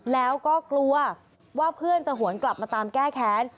แล้วก็กลัวว่าเพื่อนจะหวนกลับมาตามแก้แค้น